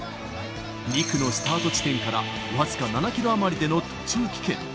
２区のスタート地点から僅か７キロ余りでの途中棄権。